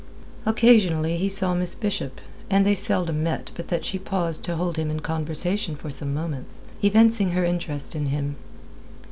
Occasionally he saw Miss Bishop, and they seldom met but that she paused to hold him in conversation for some moments, evincing her interest in him.